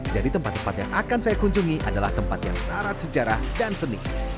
jadi tempat tempat yang akan saya kunjungi adalah tempat yang syarat sejarah dan seni